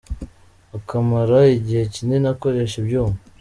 akamara igihe kinini akoresha ibyuma